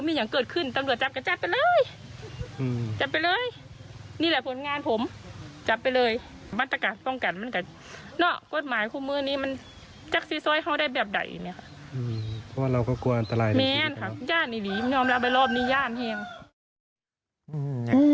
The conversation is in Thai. มีอ้านเห็นไงรอกไปรอบนี้อ้านเธอเป็น